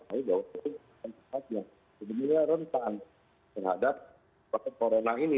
tapi bahwa itu adalah rentan terhadap corona ini